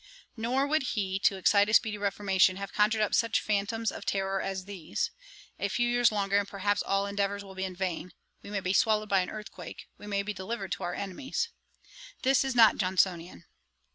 Nor would he, to excite a speedy reformation, have conjured up such phantoms of terrour as these: 'A few years longer, and perhaps all endeavours will be in vain. We may be swallowed by an earthquake: we may be delivered to our enemies.' This is not Johnsonian.